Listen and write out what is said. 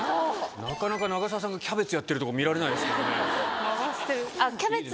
なかなか長澤さんがキャベツやってるとこ見られないですからね。